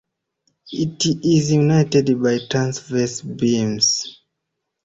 It is united by transverse beams.